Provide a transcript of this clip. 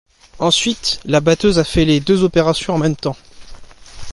Ensuite la batteuse a fait les deux opérations en même temps.